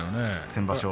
先場所。